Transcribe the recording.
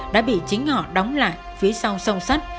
đã bị chính họ đóng lại phía sau sâu sắt